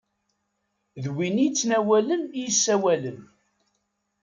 D win i yettnawalen i yessawalen.